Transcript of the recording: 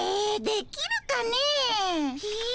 できるかねえ。